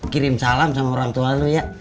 kirim salam sama orang tua lu ya